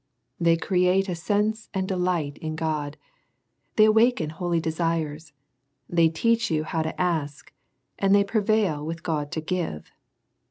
They create a sense and delight in God, they awak en holy desires, they teach you how to ask, and they prevail with God to give.